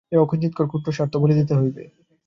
এই অকিঞ্চিৎকর ক্ষুদ্র স্বার্থ বলি দিতে হইবে।